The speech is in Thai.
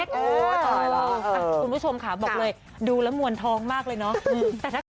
คุณผู้ชมค่ะบอกเลยดูแล้วมวลท้องมากเลยเนาะ